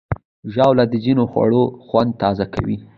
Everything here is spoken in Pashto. ژاوله د ځینو خوړو خوند تازه کوي.